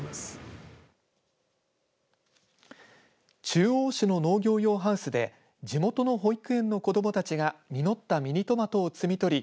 中央市の農業用ハウスで地元の保育園の子どもたちが実ったミニトマトを摘み取り